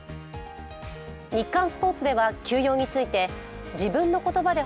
「日刊スポーツ」では、休養について自分の言葉で